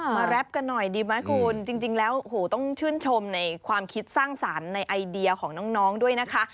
แรปกันหน่อยดีไหมคุณจริงแล้วโหต้องชื่นชมในความคิดสร้างสรรค์ในไอเดียของน้องด้วยนะคะ